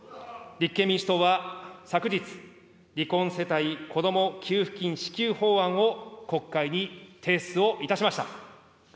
立憲民主党は、昨日、離婚世帯子ども給付金支給法案を国会に提出をいたしました。